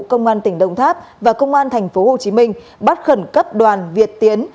công an tỉnh đồng tháp và công an thành phố hồ chí minh bắt khẩn cấp đoàn việt tiến